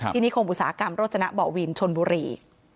นิคมอุตสาหกรรมโรจนะบ่อวินชนบุรี